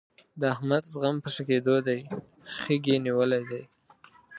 د احمد زخم په ښه کېدو دی. خیګ یې نیولی دی.